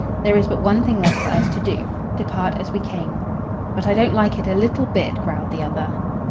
There is but one thing left for us to do depart as we came." "But I don't like it a little bit," growled the other.